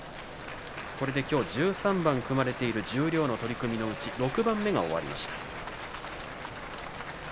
１３番組まれている十両の取組のうち６番目が終わりました。